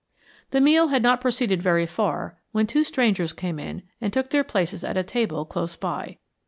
The meal had not proceeded very far when two strangers came in and took their places at a table close by.